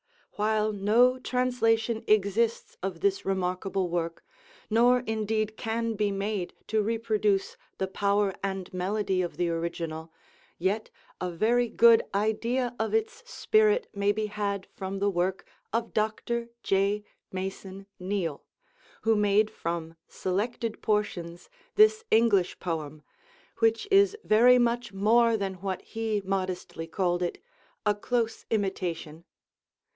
While no translation exists of this remarkable work, nor indeed can be made to reproduce the power and melody of the original, yet a very good idea of its spirit may be had from the work of Dr. J. Mason Neale, who made from selected portions this English poem, which is very much more than what he modestly called it, "a close imitation."